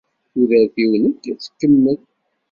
Tudert-iw nekk ad tkemmel.